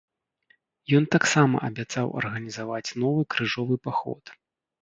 Ён таксама абяцаў арганізаваць новы крыжовы паход.